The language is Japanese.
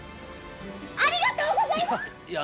ありがとうございます！